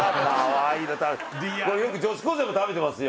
よく女子高生も食べてますよ。